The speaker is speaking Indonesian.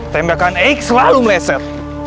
tembakan x selalu meleset